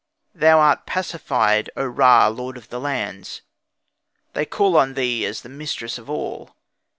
"Thou art pacified, O Ra, lord of the lands; They call on thee as on the mistress of all.